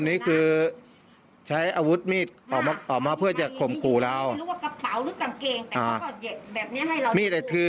ไม่รู้ว่ากระเป๋าหรือกางเกงแต่เขาก็แบบนี้ให้เราดู